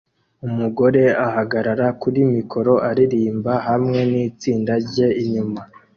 Umugore ahagarara kuri mikoro aririmba hamwe nitsinda rye inyuma